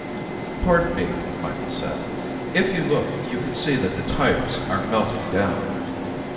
"Pardon me," Micheals said. "If you look, you can see that the tires are melting down."